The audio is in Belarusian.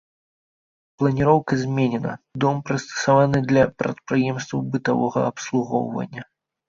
Планіроўка зменена, дом прыстасаваны для прадпрыемстваў бытавога абслугоўвання.